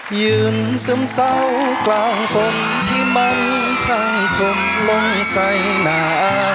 ยืนซึมเศร้ากลางคนที่มันข้างคนลงใส่หนา